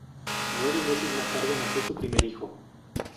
Nueve meses más tarde, nació su primer hijo.